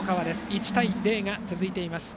１対０が続いています。